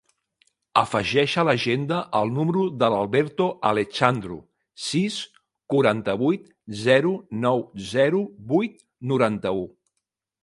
Afegeix a l'agenda el número de l'Alberto Alexandru: sis, quaranta-vuit, zero, nou, zero, vuit, noranta-u.